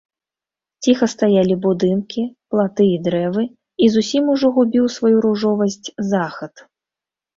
Ціха стаялі будынкі, платы і дрэвы, і зусім ужо губіў сваю ружовасць захад.